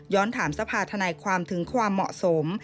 ถามสภาธนายความถึงความเหมาะสม